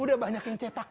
udah banyak yang cetakan